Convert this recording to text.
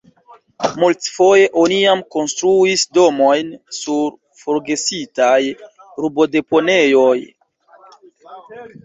Multfoje oni jam konstruis domojn sur forgesitaj rubodeponejoj.